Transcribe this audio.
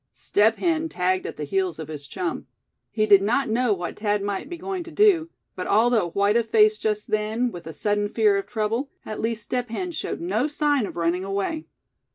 Step Hen tagged at the heels of his chum. He did not know what Thad might be going to do; but although white of face just then, with a sudden fear of trouble, at least Step Hen showed no sign of running away.